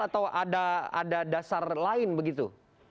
atau ada dasar lain begitu